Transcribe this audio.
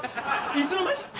いつの間に？